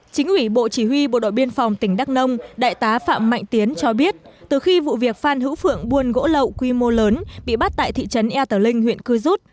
chính ủy bộ chỉ huy bộ đội biên phòng tỉnh đắk nông đại tá phạm mạnh tiến cho biết từ khi vụ việc phan hữu phượng buôn gỗ lậu quy mô lớn bị bắt tại thị trấn e tờ linh huyện cư rút